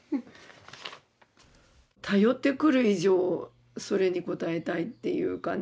頼ってくる以上それに応えたいっていうかね